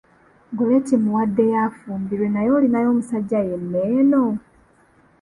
Gorretti mmuwaddeyo afumbirwe naye olinayo omusajja yenna eno?